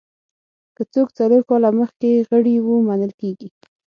که څوک څلور کاله مخکې غړي وو منل کېږي.